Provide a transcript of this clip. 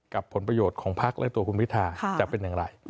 ผลประโยชน์ของพักและตัวคุณพิทาจะเป็นอย่างไร